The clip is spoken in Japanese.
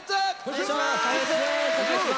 お願いします。